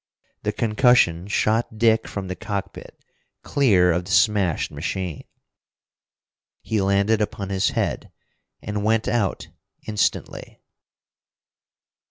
The concussion shot Dick from the cockpit clear of the smashed machine. He landed upon his head, and went out instantly.